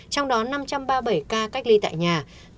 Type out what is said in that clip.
trong đó năm trăm ba mươi bảy ca cách ly tại nhà